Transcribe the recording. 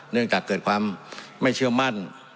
เนื่องจากเกิดความไม่เชื่อมั่น